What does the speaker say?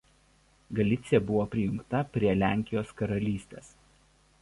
Galicija buvo prijungta prie Lenkijos karalystės.